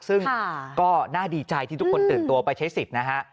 ซึ่งก็น่าดีใจที่ทุกคนตื่นตัวไปใช้สิทธิ์นะฮะ